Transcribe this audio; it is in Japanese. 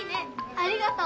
ありがとう。